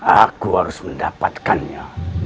aku harus mendapatkannya